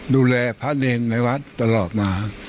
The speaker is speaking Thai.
ดูแลพระราชราชราชนาในวัดตลอดมา